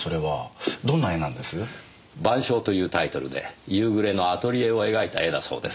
『晩鐘』というタイトルで夕暮れのアトリエを描いた絵だそうです。